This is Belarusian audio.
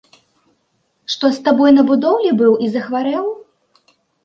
Што з табой на будоўлі быў і захварэў?